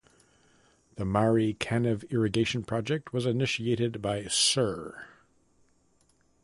The Mari Kanive irrigation project was initiated by Sir.